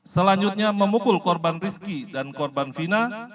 selanjutnya memukul korban rizki dan korban fina